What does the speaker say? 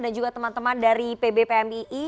dan juga teman teman dari pbpmii